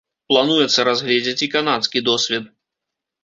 Плануецца разгледзець і канадскі досвед.